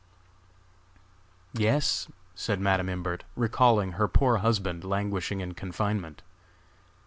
"Yes," said Madam Imbert, recalling her poor husband languishing in confinement.